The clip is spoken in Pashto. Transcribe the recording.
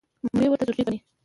مخنیوي ورته ضروري ګڼي.